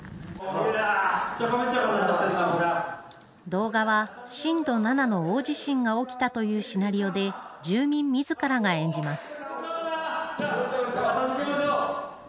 動画は、震度７の大地震が起きたというシナリオで、住民みずからが演じます。